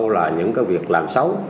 và những cái việc làm xấu